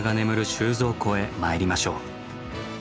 収蔵庫へ参りましょう。